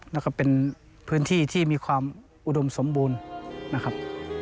แล้วก็เป็นพื้นที่ที่มีความอุดมสมบูรณ์นะครับ